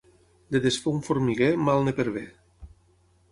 De desfer un formiguer mal en pervé.